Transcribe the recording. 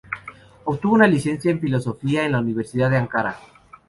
Obtuvo una licenciatura en filosofía en la Universidad de Ankara.